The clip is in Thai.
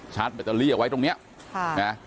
ชาร์จแบตเตอรี่เอาไว้ตรงเนี่ยค่ะ